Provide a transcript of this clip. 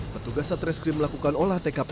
petugas satreskrim melakukan olah tkp